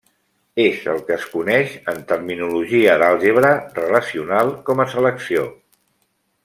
És el que es coneix en terminologia d'àlgebra relacional com a selecció.